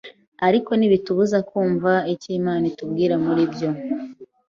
ariko ntibitubuza kumva icyo Imana itubwirira muri bwo,